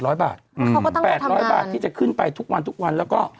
เขาก็ตั้งใจทำงาน๘๐๐บาทที่จะขึ้นไปทุกวันแล้วก็